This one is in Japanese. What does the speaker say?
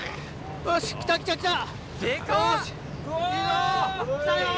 よし来た来た来た。